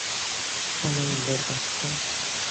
শালা ইলের বাচ্চা।